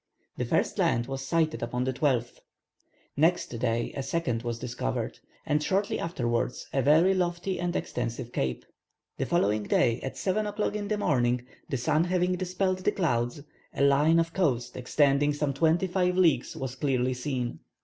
The first land was sighted upon the 12th. Next day a second was discovered, and shortly afterwards a very lofty and extensive cape. The following day at seven o'clock in the morning, the sun having dispelled the clouds, a line of coast extending some twenty five leagues was clearly seen.